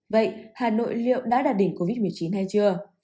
vậy hà nội liệu đã đạt đỉnh covid một mươi chín hay chưa